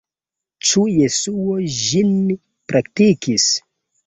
Ĉu Jesuo ĝin praktikis?